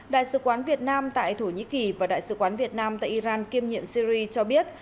đại sứ quán việt nam tại thổ nhĩ kỳ và đại sứ quán việt nam tại iran kiêm nhiệm syri cho biết